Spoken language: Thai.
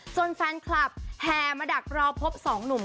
แฟนคลับแห่มาดักรอพบสองหนุ่ม